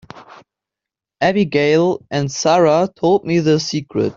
Abigail and Sara told me the secret.